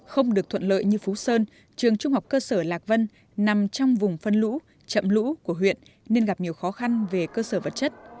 không được thuận lợi như phú sơn trường trung học cơ sở lạc vân nằm trong vùng phân lũ chậm lũ của huyện nên gặp nhiều khó khăn về cơ sở vật chất